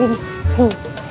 tidak ada yang mau